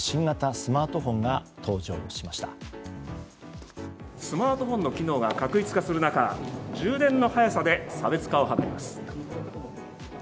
スマートフォンの機能が画一化する中充電の早さで差別化を図ります。